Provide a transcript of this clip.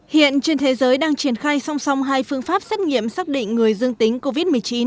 hiện trên thế giới đang triển khai song song hai phương pháp xét nghiệm xác định người dương tính covid một mươi chín